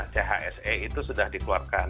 chse itu sudah dikeluarkan